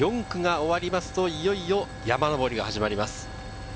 ４区が終わるといよいよ山上りが始まります。